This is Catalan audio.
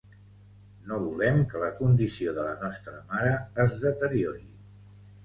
No volem que la condició de la nostra mare es deteriori.